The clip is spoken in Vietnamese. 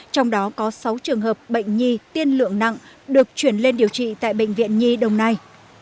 trong đó có sáu trường hợp bệnh nhi tiên lượng nặng được chuyển lên điều trị tại bệnh viện nhi đồng nai